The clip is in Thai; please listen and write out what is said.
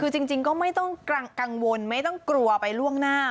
คือจริงก็ไม่ต้องกังวลไม่ต้องกลัวไปล่วงหน้า